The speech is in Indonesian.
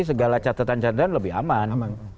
segala catatan catatan lebih aman